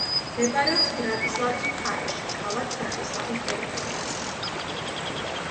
მდებარეობს ბრატისლავის მხარეში, ქალაქ ბრატისლავის ტერიტორიაზე.